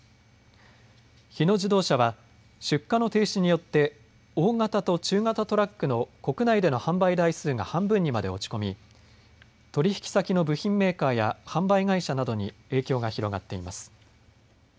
日野自動車は出荷の停止によって大型と中型トラックの国内での販売台数が半分にまで落ち込み取引先の部品メーカーや販売会社などに影響が広がっています。